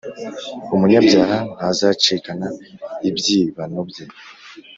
Umunyabyaha ntazacikana ibyibano bye,